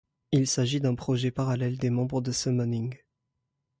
Il s'agit d'un projet parallèle des membres de Summoning.